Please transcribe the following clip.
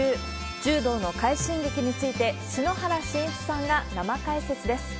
柔道の快進撃について、篠原信一さんが生解説です。